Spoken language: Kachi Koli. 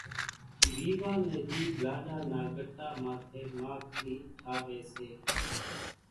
ويوا نيَ ۮِي لاڏا نا ڳٽا ماٿيَ ماکلِي ٺاويَ سي۔